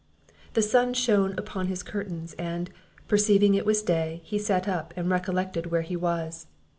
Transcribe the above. The sun shone upon his curtains, and, perceiving it was day, he sat up, and recollected where he was.